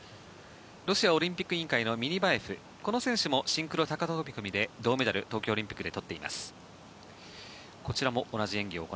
ロシアオリンピック委員会のミニバエフこの選手もシンクロ高飛込で銅メダルを東京オリンピックで取っています。